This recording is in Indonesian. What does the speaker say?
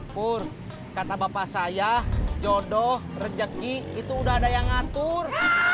kur kata bapak saya jodoh rejeki itu udah ada yang ngatur